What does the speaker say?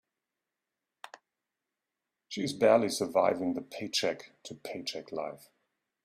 She is barely surviving the paycheck to paycheck life.